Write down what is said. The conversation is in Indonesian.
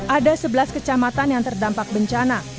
ada sebelas kecamatan yang terdampak bencana